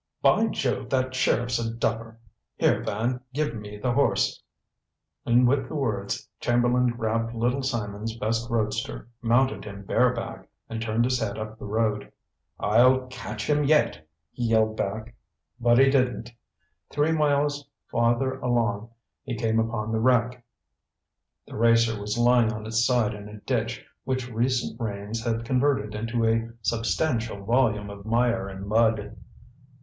"By Jove, that sheriff's a duffer! Here, Van, give me the horse." And with the words Chamberlain grabbed Little Simon's best roadster, mounted him bareback, and turned his head up the road. "I'll catch him yet!" he yelled back. But he didn't. Three miles farther along he came upon the wreck. The racer was lying on its side in a ditch which recent rains had converted into a substantial volume of mire and mud.